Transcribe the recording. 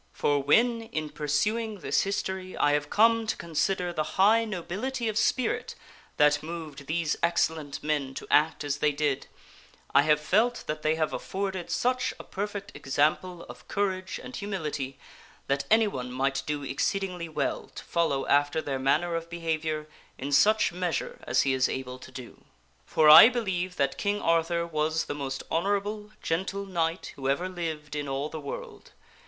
For when, in pursuing this history, I have come to consider the high nobility of spirit that moved these excellent men to act as they did, I have felt that they have afforded such a perfect example oj courage and humility that anyone might do exceedingly well to follow after their manner of behavior in such measure as he is able to do. For I believe that King Arthur was the most honorable, gentle Knight who ever lived in all the world.